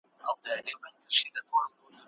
د کومي ميرمني چي اړتياوي تر هغه نورو ډيري وي.